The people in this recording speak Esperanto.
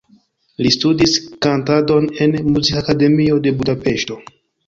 Li studis kantadon en Muzikakademio de Budapeŝto.